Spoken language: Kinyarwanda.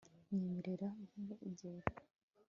nyemerera nkwegere